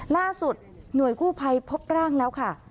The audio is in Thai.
ล่าสุดหน่วยกู้ภัยพบร่างแล้วค่ะ